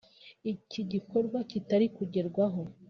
iki gikorwa kitari kugerwaho